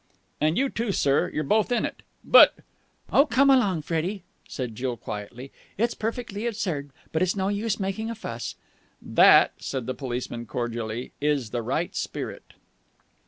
"And you, too, sir. You're both in it." "But...." "Oh, come along, Freddie," said Jill quietly. "It's perfectly absurd, but it's no use making a fuss." "That," said the policeman cordially, "is the right spirit!"